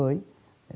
được ngày đầu tiên